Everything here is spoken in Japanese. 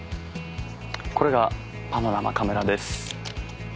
これがパノラマカメラです。